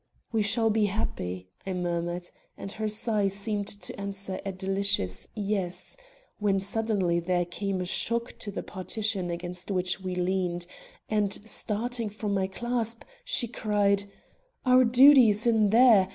"We shall be happy," I murmured, and her sigh seemed to answer a delicious "Yes," when suddenly there came a shock to the partition against which we leaned and, starting from my clasp, she cried: "Our duty is in there.